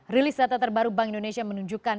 rilis data terbaru bank indonesia menunjukkan